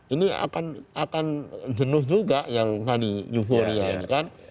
ini akan jenuh juga yang honey euforia ini kan